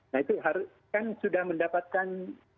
nah itu kan sudah mendapatkan